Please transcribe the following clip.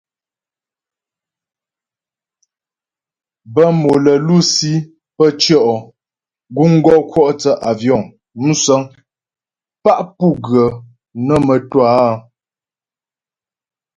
Bə́ mò lə́ lusi pə́ tʉɔ' guŋ gɔ kwɔ' thə́ àvyɔ̌ŋ (musə̀ŋ) pá pu gə nə́ mə́twâ áa.